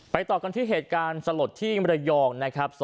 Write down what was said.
ต่อกันที่เหตุการณ์สลดที่มรยองนะครับ